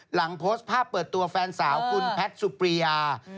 หลังโพสต์ภาพเปิดตัวแฟนสาวคุณแพทย์สุปรียา